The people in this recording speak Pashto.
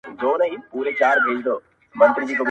نو دا په ما باندي چا كوډي كړي.